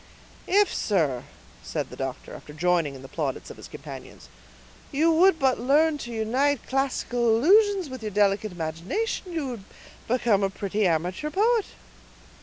"If, sir," said the doctor, after joining in the plaudits of his companions, "you would but learn to unite classical allusions with your delicate imagination you would become a pretty amateur poet."